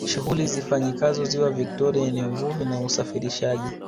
shughuli zifanyikazo ziwa victoria ni uvuvi na safirishaji